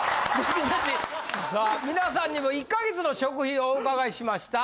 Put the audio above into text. さあ皆さんにも１か月の食費をお伺いしました。